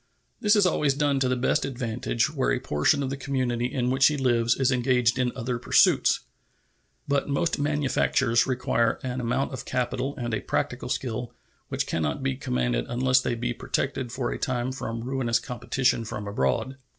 This is always done to the best advantage where a portion of the community in which he lives is engaged in other pursuits. But most manufactures require an amount of capital and a practical skill which can not be commanded unless they be protected for a time from ruinous competition from abroad.